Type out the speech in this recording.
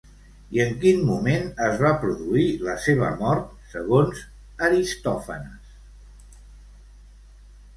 I en quin moment es va produir la seva mort, segons Aristòfanes?